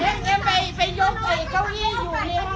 เขาไปเชียงใหม่เขาไปฝ้าหัวเขาไปประทุม